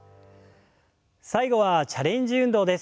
最後はチャレンジ運動です。